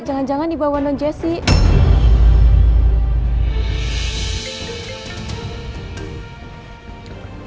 jangan jangan dibawa nen jessica